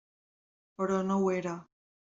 Però no ho era.